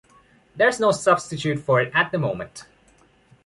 There is no substitute for it at the moment.